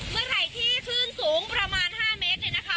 เมื่อไหร่ที่คลื่นสูงประมาณ๕เมตรเนี่ยนะคะ